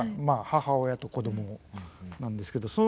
まあ母親と子どもなんですけど。